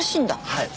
はい。